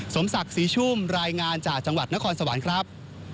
สมศักดิ์ศรีชุ่มรายงานจากจังหวัดนครสวรรค์ครับ